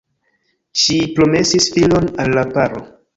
Ŝi promesis filon al la paro.